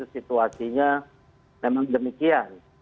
situasinya memang demikian